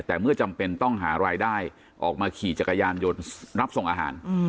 แต่เมื่อจำเป็นต้องหารายได้ออกมาขี่จักรยานยนต์รับส่งอาหาร